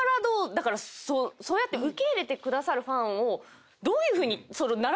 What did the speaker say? だからそうやって受け入れてくださるファンをどういうふうに。